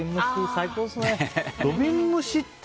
最高ですね。